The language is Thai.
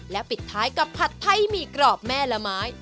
ปิดท้ายกับผัดไทยหมี่กรอบแม่ละไม้